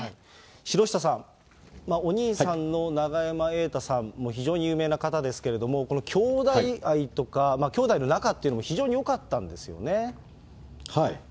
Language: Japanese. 城下さん、お兄さんの永山瑛太さんも非常に有名な方ですけれども、この兄弟愛とか、兄弟の仲っていうのも非常によかったんですよね。